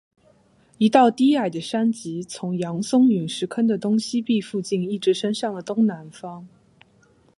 一道低矮的山脊从扬松陨石坑的东南壁附近一直伸向了东南方。